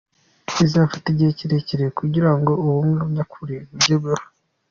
Bizafata igihe kirekire kugira ngo ubumwe nyakuri bugerweho.